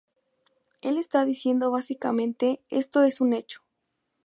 Él está diciendo básicamente, "Esto es un hecho.